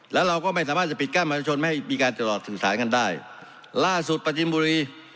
แล้วเราก็ไม่สามารถจะปิดกั้นประชาชนไม่ให้มีการตลอดสื่อสารกันได้ล่าสุดประจิมบุรี